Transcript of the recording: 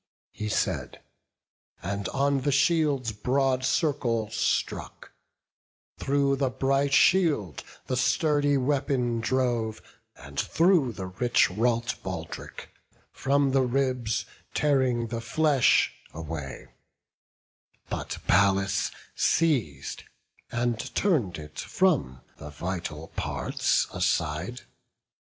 He said, and on the shield's broad circle struck: Through the bright shield the sturdy weapon drove, And through the rich wrought baldrick, from the ribs Tearing the flesh away; but Pallas seiz'd, And turn'd it from the vital parts aside.